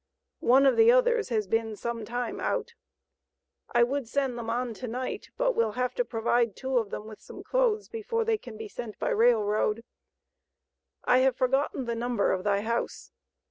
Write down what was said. One of the others has been some time out. I would send them on to night, but will have to provide two of them with some clothes before they can be sent by rail road. I have forgotten the number of thy house.